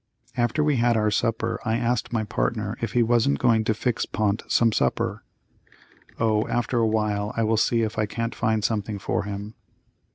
After we had our supper I asked my partner if he wasn't going to fix Pont some supper. "Oh, after a while I will see if I can't find something for him."